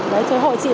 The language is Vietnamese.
đấy thế hội chị